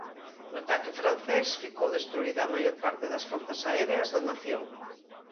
No ataque francés ficou destruída a maior parte das forzas aéreas da nación.